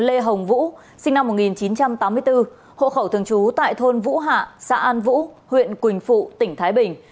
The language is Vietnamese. lê hồng vũ sinh năm một nghìn chín trăm tám mươi bốn hộ khẩu thường trú tại thôn vũ hạ xã an vũ huyện quỳnh phụ tỉnh thái bình